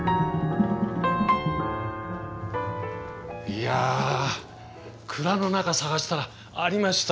いや蔵の中探したらありましたよ。